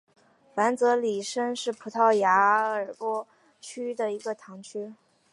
凡泽里什是葡萄牙波尔图区的一个堂区。